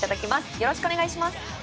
よろしくお願いします。